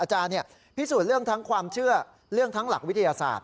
อาจารย์พิสูจน์เรื่องทั้งความเชื่อเรื่องทั้งหลักวิทยาศาสตร์